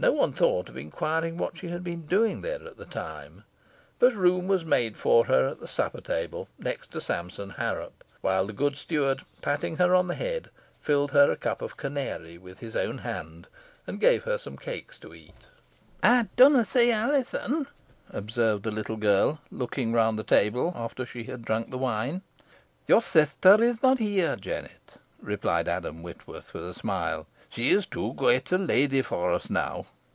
No one thought of inquiring what she had been doing there at the time, but room was made for her at the supper table next to Sampson Harrop, while the good steward, patting her on the head, filled her a cup of canary with his own hand, and gave her some cates to eat. "Ey dunna see Alizon" observed the little girl, looking round the table, after she had drunk the wine. "Your sister is not here, Jennet," replied Adam Whitworth, with a smile. "She is too great a lady for us now.